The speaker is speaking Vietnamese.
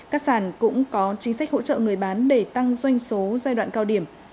các sản cũng có chính sách hỗ trợ người bán để tăng doanh số giai đoạn cao điểm